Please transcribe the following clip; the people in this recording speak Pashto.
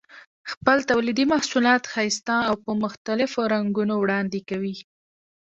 خپل تولیدي محصولات ښایسته او په مختلفو رنګونو وړاندې کوي.